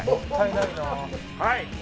はい。